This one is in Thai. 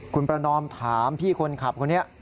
คุณประนอมถามพี่คนขับคนนี้